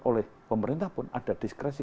oleh pemerintah pun ada diskresi